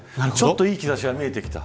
いい兆しは見えてきて